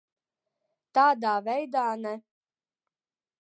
Tādā veidā ne.